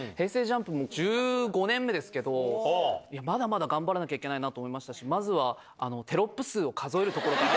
ＪＵＭＰも１５年目ですけど、まだまだ頑張らなきゃいけないなって思いましたし、まずは、テロップ数を数えるところから。